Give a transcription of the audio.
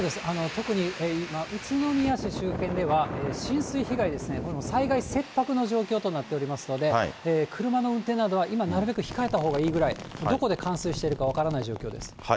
特に、今、宇都宮市周辺では浸水被害ですね、これも災害切迫の状態になっていますので、車の運転などは今、なるべく控えたほうがいいぐらい、どこで冠水しているか分からない状況です。